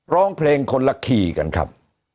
ร้องเพลงคนละขี่กันครับ